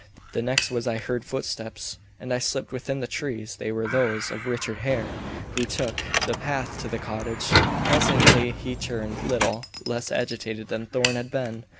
The next was I heard footsteps, and I slipped within the trees. They were those of Richard Hare, who took the path to the cottage. Presently he returned, little less agitated than Thorn had been.